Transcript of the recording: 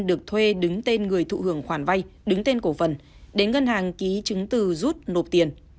được thuê đứng tên người thụ hưởng khoản vay đứng tên cổ phần để ngân hàng ký chứng từ rút nộp tiền